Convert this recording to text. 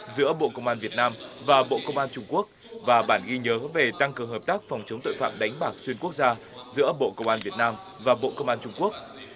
giữa bộ công an việt nam và bộ công an trung quốc và bản ghi nhớ về tăng cường hợp tác phòng chống tội phạm đánh bạc xuyên quốc gia giữa bộ công an việt nam và bộ công an trung quốc